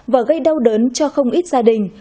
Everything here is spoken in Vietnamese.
và gây đau đớn cho không ít gia đình